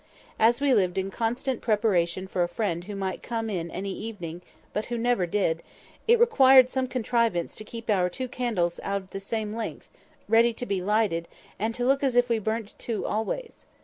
As we lived in constant preparation for a friend who might come in any evening (but who never did), it required some contrivance to keep our two candles of the same length, ready to be lighted, and to look as if we burnt two always.